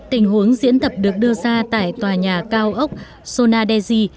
tình huống diễn tập được đưa ra tại tòa nhà cao ốc sonadesi